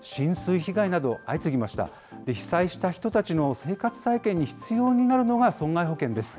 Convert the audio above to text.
被災した人たちの生活再建に必要になるのが、損害保険です。